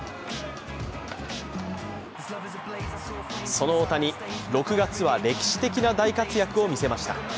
その大谷、６月は歴史的な大活躍を見せました。